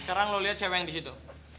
sekarang lu liat cewek yang di situ